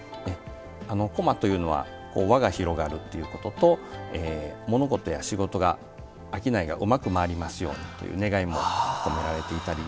こまというのは輪が広がるということと物事や仕事が、商いがうまく回りますようにという願いも込められていたり。